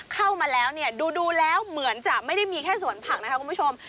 เข้ามาแล้วเนี่ยดูแล้วเหมือนจะไม่ได้มีแค่สวนผักนะคะคุณผู้ชม